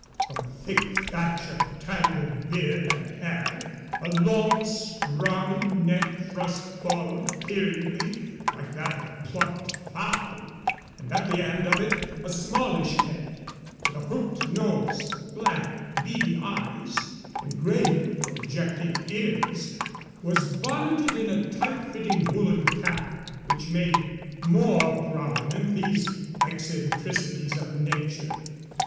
From a thick thatch of tangled beard and hair, a long, scrawny neck thrust forward peeringly, like that of a plucked fowl; and at the end of it a smallish head, with a hooked nose, black, beady eyes, and great, projecting ears was bonneted in a tight fitting woolen cap which made more prominent these eccentricities of nature.